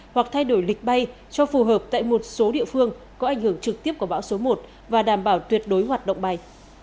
hoặc thay đổi lịch bay cho phù hợp tại một số địa phương có ảnh hưởng trực tiếp của bão số một và đảm bảo tuyệt đối hoạt động bay